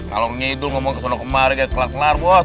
kalau ngidul ngomong kesana kemari kayak kelar kelar bos